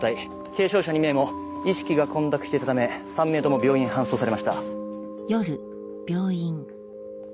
軽傷者２名も意識が混濁していたため３名とも病院へ搬送されました。